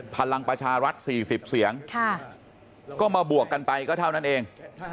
พลังประชารัฐ๔๐เสียงก็มาบวกกันไปก็เท่านั้นเอง